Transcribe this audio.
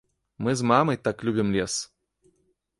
Мы з мамай так любім лес.